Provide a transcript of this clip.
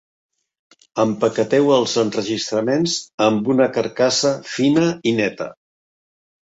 Empaqueteu els enregistraments amb una carcassa fina i neta.